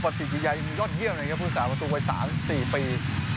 ปฏิกิริยายยอดเยี่ยมนะครับผู้สามารถตรงวัย๓๔ปี